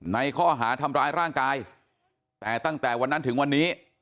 ในข้อหาทำร้ายร่างกายแต่ตั้งแต่วันนั้นถึงวันนี้